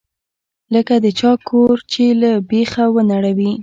لکه د چا کور چې له بيخه ونړوې.